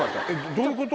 どういうこと？